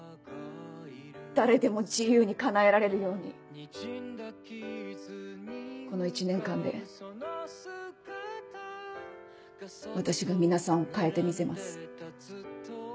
誰でも自由に叶えられるようにこの１年間で私が皆さんを変えてみせます。